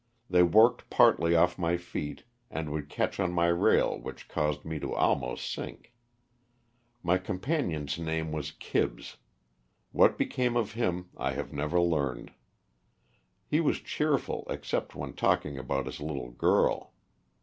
They worked partly off my feet and would catch on my rail which caused me to almost sink. My companion's name was Kibbs; what became of him I have never learned. He was cheerful except when talking about his little girl.